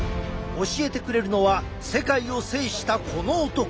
教えてくれるのは世界を制したこの男！